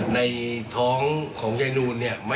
ในท้องของไยนูน